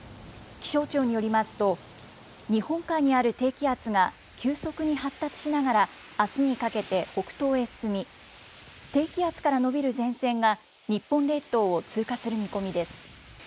気象庁によりますと、日本海にある低気圧が急速に発達しながらあすにかけて北東へ進み、低気圧から延びる前線が日本列島を通過する見込みです。